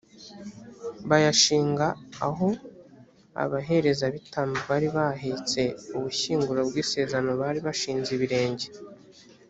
bayashinga aho abaherezabitambo bari bahetse ubushyinguro bw’isezerano bari bashinze ibirenge.